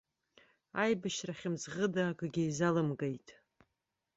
Аибашьра хьымӡӷыда акгьы изалымгеит.